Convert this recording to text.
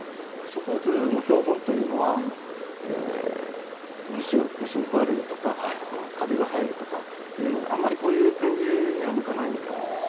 植物の標本というのは虫に食われるとかカビが生えるとかいうのであんまりこういう展示には向かないんです。